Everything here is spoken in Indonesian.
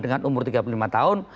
dengan umur tiga puluh lima tahun